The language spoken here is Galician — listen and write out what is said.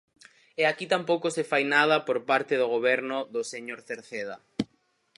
E aquí tampouco se fai nada por parte do Goberno do señor Cerceda.